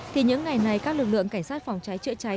thì những ngày này các lực lượng cảnh sát phòng cháy chữa cháy